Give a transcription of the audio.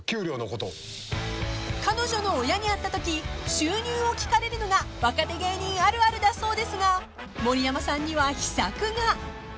［彼女の親に会ったとき収入を聞かれるのが若手芸人あるあるだそうですが盛山さんには秘策が］